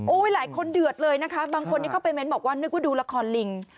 หลายคนเดือดเลยนะคะบางคนที่เข้าไปเน้นบอกว่านึกว่าดูละครลิง